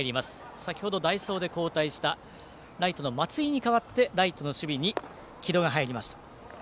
先ほど、代走で交代したライトの松井に代わってライトの守備に城戸が入りました。